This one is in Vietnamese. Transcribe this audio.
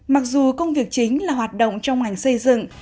mặc dù công việc chính là hoạt động trong ngành xây dựng